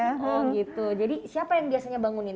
oh gitu jadi siapa yang biasanya bangunin